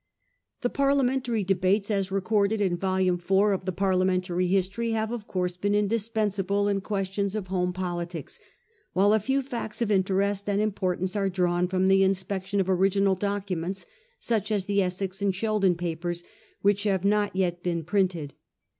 The Parliamentary de bates, as recorded in Vol. IV. of the ' Parliamentary History,* have of course been indispensable in ques tions of home politics ; while a few facts of interest and importance are drawn from the inspection of original documents, such as the Essex and Sheldon papers, which have not yet been printed.